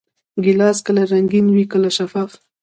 ګیلاس کله رنګین وي، کله شفاف.